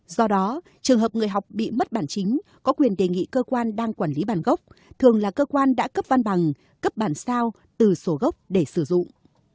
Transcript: do đó trường hợp người học bị mất bản chính có quyền đề nghị cơ quan đang quản lý bản gốc thường là cơ quan đã cấp văn bằng cấp bản sao từ sổ gốc để sử dụng